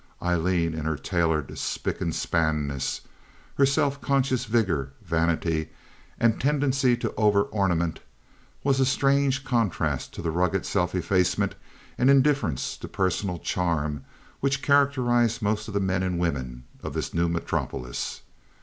Aileen in her tailored spick and spanness, her self conscious vigor, vanity, and tendency to over ornament, was a strange contrast to the rugged self effacement and indifference to personal charm which characterized most of the men and women of this new metropolis.